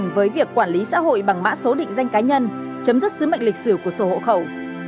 với việc quản lý xã hội bằng mã số định danh cá nhân chấm dứt sứ mệnh lịch sử của sổ hộ khẩu